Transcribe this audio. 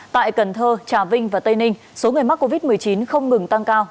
tại cần thơ trà vinh và tây ninh số người mắc covid một mươi chín không ngừng tăng cao